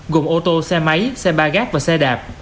gồm ô tô xe máy xe ba gác và xe đạp